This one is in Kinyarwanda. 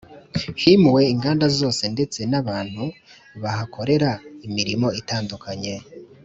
himuwe inganda zose ndetse n'abantu bahakorera imirimo itandukanye.